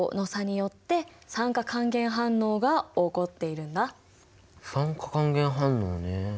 酸化還元反応ね。